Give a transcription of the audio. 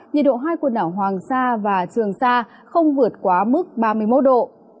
nhiệt độ hai quần đảo hoàng sa và trường sa không vượt quá mức ba mươi một độ